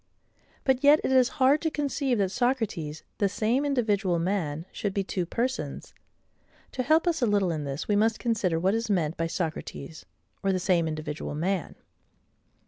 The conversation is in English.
But yet it is hard to conceive that Socrates, the same individual man, should be two persons. To help us a little in this, we must consider what is meant by Socrates, or the same individual MAN.